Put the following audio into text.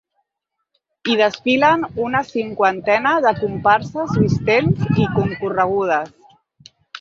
Hi desfilen una cinquantena de comparses vistents i concorregudes.